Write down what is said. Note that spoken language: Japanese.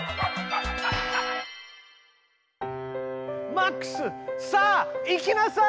マックスさあ行きなさい！